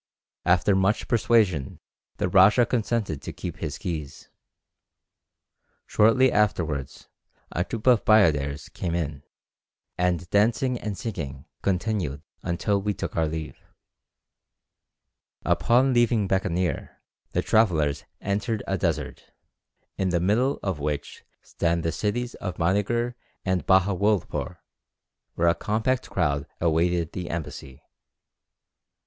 After much persuasion the rajah consented to keep his keys. Shortly afterwards a troop of bayadères came in, and dancing and singing continued until we took our leave." [Illustration: "A troop of bayadères came in."] Upon leaving Bekaneer the travellers entered a desert, in the middle of which stand the cities of Monyghur and Bahawulpore, where a compact crowd awaited the embassy.